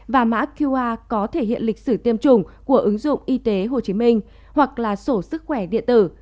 và mã qr có thể hiện lịch sử tiêm chủng của ứng dụng y tế hồ chí minh hoặc là sổ sức khỏe điện tử